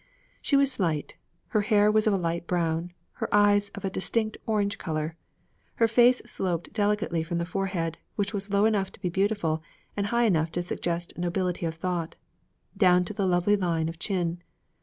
She was slight; her hair was of a light brown, her eyes of a distinct orange color. Her face sloped delicately from the forehead, which was low enough to be beautiful, and high enough to suggest nobility of thought, down to the lovely line of chin.